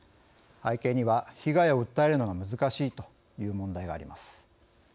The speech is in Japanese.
背景には、被害を訴えるのが難しいという問題があります。